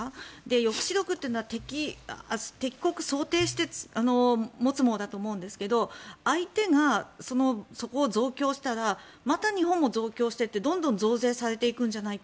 抑止力というのは敵国を想定して持つものだと思うんですけど相手がそこを増強したらまた日本も増強してってどんどん増税されていくんじゃないか。